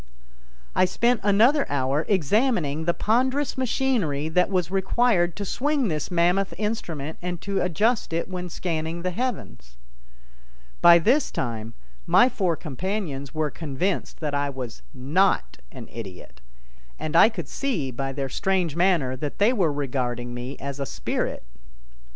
] I spent another hour examining the ponderous machinery that was required to swing this mammoth instrument and to adjust it when scanning the heavens. By this time my four companions were convinced that I was not an idiot, and I could see by their strange manner that they were regarding me as a spirit.